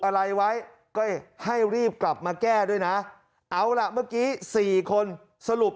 อะไรไว้ก็ให้รีบกลับมาแก้ด้วยนะเอาล่ะเมื่อกี้๔คนสรุป